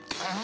あ！